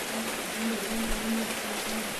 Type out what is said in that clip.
ژوند د انسان د زړه نیت ښکاره کوي.